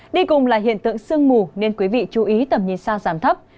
đi cùng là hiện tượng sương mù nên quý vị chú ý tầm nhìn xa giảm thấp